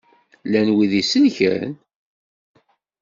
Llan wid i iselken?